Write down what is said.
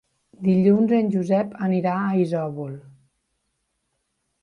Dilluns en Josep anirà a Isòvol.